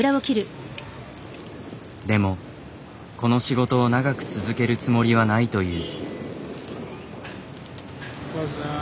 でもこの仕事を長く続けるつもりはないという。